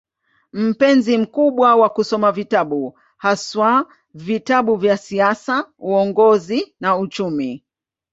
Mpenzi mkubwa wa kusoma vitabu, haswa vitabu vya siasa, uongozi na uchumi.